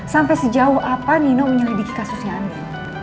sampai sejauh apa nino menyelidiki kasusnya andi